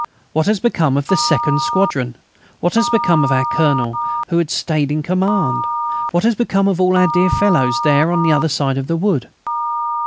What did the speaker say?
"What has become of the second squadron? What has become of our Colonel, who had stayed in command? What has become of all our dear fellows there on the other side of the wood?"